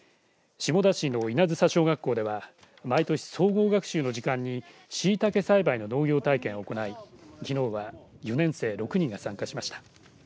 下田市の稲梓小学校では毎年、総合学習の時間にしいたけ栽培の農業体験を行い、きのうは４年生６人が参加しました。